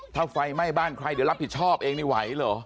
ถ้าไฟไหม้บ้านใครเดี๋ยวรับผิดชอบเองนี่ไหวเหรอ